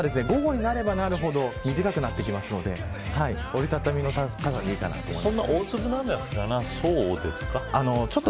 この後も、降る時間は午後になればなるほど短くなってくるので折り畳みの傘でいいかなと思います。